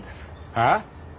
はあ？